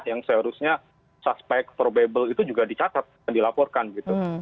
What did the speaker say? yang seharusnya suspek probable itu juga dicatat dan dilaporkan gitu